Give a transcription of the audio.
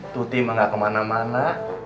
tuti mah gak kemana mana